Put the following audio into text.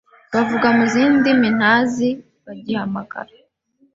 bavuga mu zindi ndimi ntazi bagihamagara